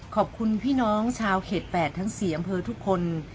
ขอบคุณพี่น้องชาวเขต๘ทั้ง๔อำเภอทุกคน